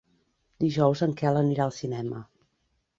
Dijous en Quel anirà al cinema.